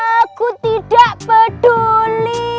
aku tidak peduli